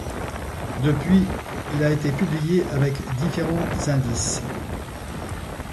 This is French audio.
Depuis, il a été publié avec différents indices.